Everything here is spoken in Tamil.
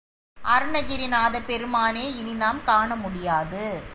அருணகிரிநாதப் பெருமானை இனி நாம் காண முடியாது.